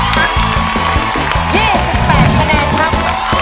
๒๘คะแนนครับ